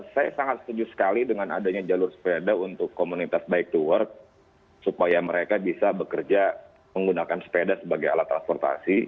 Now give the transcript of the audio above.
saya sangat setuju sekali dengan adanya jalur sepeda untuk komunitas bike to work supaya mereka bisa bekerja menggunakan sepeda sebagai alat transportasi